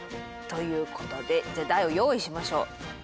ということでじゃあ台を用意しましょう。